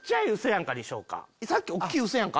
さっき大っきい「うそやんか」